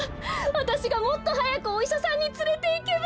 わたしがもっとはやくおいしゃさんにつれていけば。